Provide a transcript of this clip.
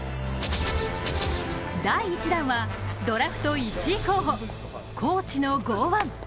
第１弾は、ドラフト１位候補、高知の剛腕。